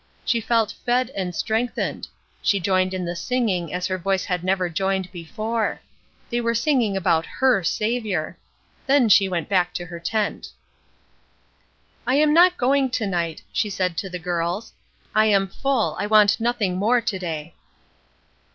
She felt fed and strengthened; she joined in the singing as her voice had never joined before; they were singing about her Saviour. Then she went back to her tent. "I am not going to night," she said to the girls. "I am full, I want nothing more to day."